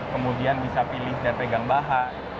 kemudian bisa pilih dan pegang bahan